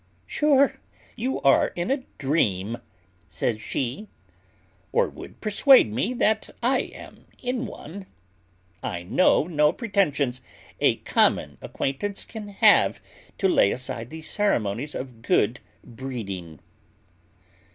"Sure you are in a dream," says she, "or would persuade me that I am in one. I know no pretensions a common acquaintance can have to lay aside the ceremonies of good breeding."